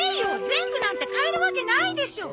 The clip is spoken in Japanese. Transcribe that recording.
全部なんて買えるわけないでしょ。